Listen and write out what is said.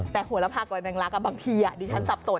แต่หัวละพากอยแมงลักบางทีดิฉันสับสน